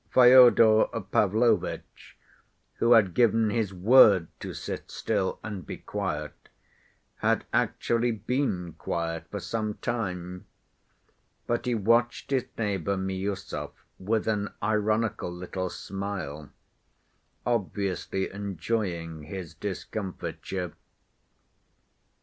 Fyodor Pavlovitch, who had given his word to sit still and be quiet, had actually been quiet for some time, but he watched his neighbor Miüsov with an ironical little smile, obviously enjoying his discomfiture.